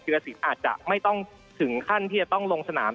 รสินอาจจะไม่ต้องถึงขั้นที่จะต้องลงสนาม